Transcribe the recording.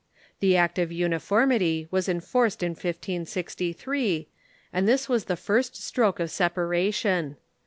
The Act of Uniformity was enforced in 1563, and this was the first stroke of separation.